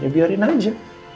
ya biarin aja